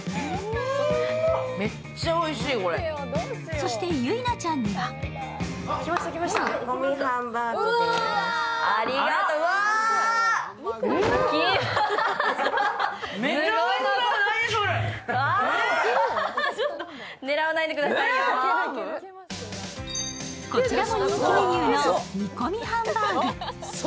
そして、ゆいなちゃんにはこちらも人気メニューの煮込みハンバーグ。